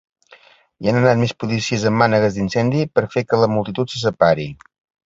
Hi han anat més policies amb mànegues d'incendi per fer que la multitud se separi.